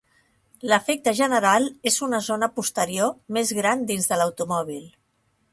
L'efecte general és una zona posterior més gran dins de l'automòbil.